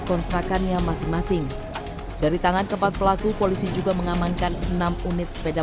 kontrakannya masing masing dari tangan keempat pelaku polisi juga mengamankan enam unit sepeda